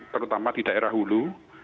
terutama di daerah hulu